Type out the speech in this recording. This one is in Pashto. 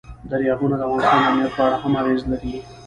دریابونه د افغانستان د امنیت په اړه هم اغېز لري.